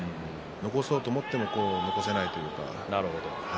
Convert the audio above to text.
残そうと思っても残せないというか。